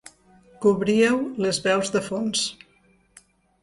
Cobríeu les veus de fons.